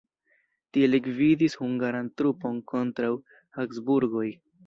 Tie li gvidis hungaran trupon kontraŭ Habsburgoj.